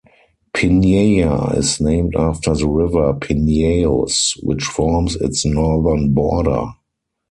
Pineia is named after the river Pineios, which forms its northern border.